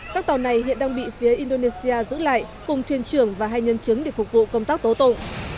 các tàu này hiện đang bị phía indonesia giữ lại cùng thuyền trưởng và hai nhân chứng để phục vụ công tác tố tụng